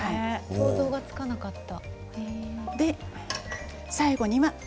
想像つかなかった。